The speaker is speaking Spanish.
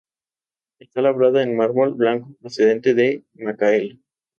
Está labrada en mármol blanco procedente de Macael.